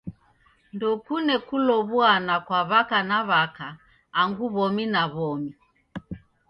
Ndekune kulow'uana kwa w'aka na w'aka angu w'omi na w'omi.